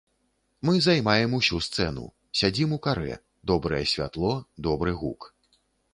Мы займаем усю сцэну, сядзім у карэ, добрае святло, добры гук.